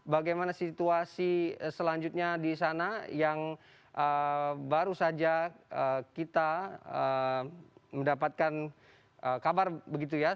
bagaimana situasi selanjutnya di sana yang baru saja kita mendapatkan kabar begitu ya